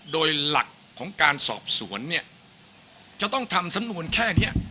โดยหลักของการสอบสวนเนี่ยจะต้องทำสำนวนแค่นี้